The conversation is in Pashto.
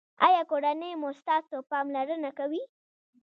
ایا کورنۍ مو ستاسو پاملرنه کوي؟